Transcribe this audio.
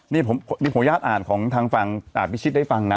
นี่ขออนุญาตอ่านของทางฝั่งอาจพิชิตได้ฟังนะ